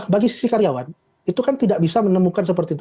bagi sisi karyawan itu kan tidak bisa menemukan seperti itu